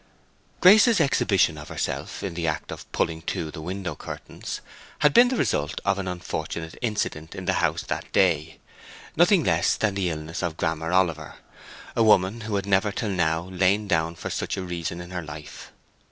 Grace's exhibition of herself, in the act of pulling to the window curtains, had been the result of an unfortunate incident in the house that day—nothing less than the illness of Grammer Oliver, a woman who had never till now lain down for such a reason in her life.